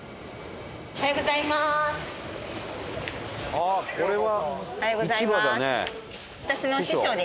あっこれは。